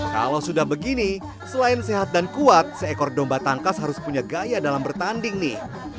kalau sudah begini selain sehat dan kuat seekor domba tangkas harus punya gaya dalam bertanding nih